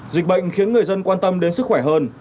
dịch bệnh khiến người dân quan tâm đến sức khỏe hơn